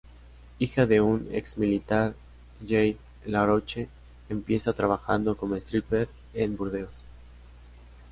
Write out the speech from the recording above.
Hija de un ex militar, Jade Laroche empieza trabajando como stripper en Burdeos.